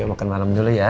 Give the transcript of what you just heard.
yuk makan malam dulu ya